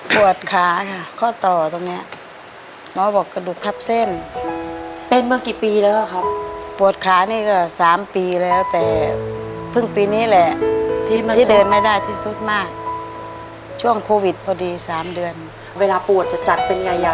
ปวดขาค่ะข้อต่อตรงเนี้ยหมอบอกกระดูกทับเส้นเป็นมากี่ปีแล้วครับปวดขานี่ก็๓ปีแล้วแต่เพิ่งปีนี้แหละที่เดินไม่ได้ที่สุดมากช่วงโควิดพอดี๓เดือนเวลาปวดจะจัดเป็นใหญ่